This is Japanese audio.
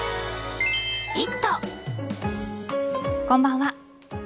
こんばんは。